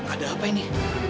ada apa ini